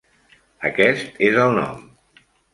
Aquest és el nom.